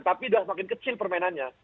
tapi udah semakin kecil permainannya